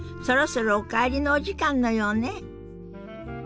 そろそろお帰りのお時間のようね。